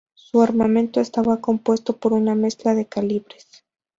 Su armamento, estaba compuesto por una mezcla de calibres.